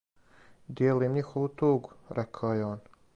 "Дијелим њихову тугу," рекао је он."